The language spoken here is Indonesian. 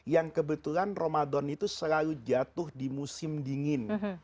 yang kebetulan ramadan itu selalu jatuh di musim dingin